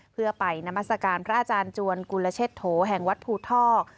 เพื่อไปนามัศกาลพระอาจารย์จวนกุลเชษโถแห่งวัดภูทอก